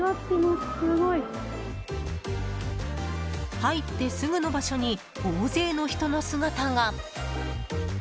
入ってすぐの場所に大勢の人の姿が。